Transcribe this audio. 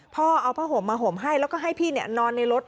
พ่อเอาผ้าห่มมาห่มให้แล้วก็ให้พี่นอนในรถ